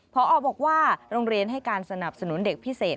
พอบอกว่าโรงเรียนให้การสนับสนุนเด็กพิเศษ